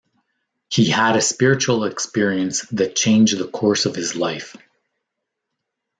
He had a spiritual experience that changed the course of his life.